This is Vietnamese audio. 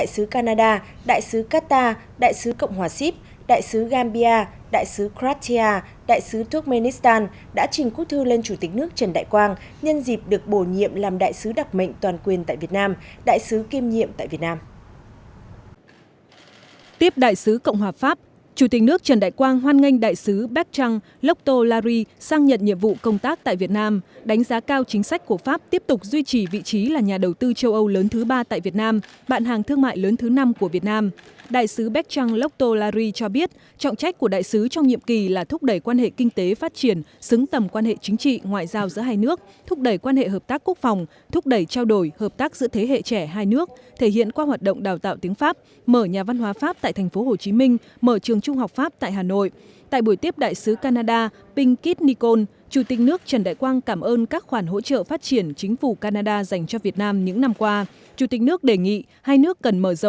sáng ngày tám tháng một mươi tại phủ chủ tịch đại sứ cộng hòa pháp đại sứ canada đại sứ qatar đại sứ cộng hòa sip đại sứ gambia đại sứ kratia đại sứ turkmenistan đã trình quốc thư lên chủ tịch nước trần đại quang nhân dịp được bổ nhiệm làm đại sứ đặc mệnh toàn quyền tại việt nam đại sứ kiêm nhiệm tại việt nam